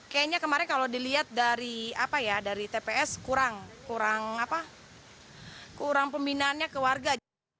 kayaknya kemarin kalau dilihat dari tps kurang pembinaannya ke warga